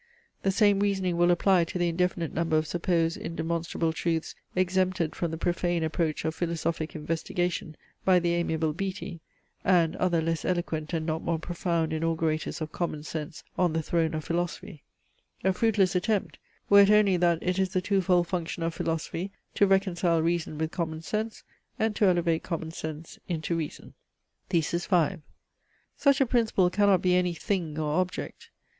The same reasoning will apply to the indefinite number of supposed indemonstrable truths exempted from the profane approach of philosophic investigation by the amiable Beattie, and other less eloquent and not more profound inaugurators of common sense on the throne of philosophy; a fruitless attempt, were it only that it is the two fold function of philosophy to reconcile reason with common sense, and to elevate common sense into reason. THESIS V Such a principle cannot be any THING or OBJECT.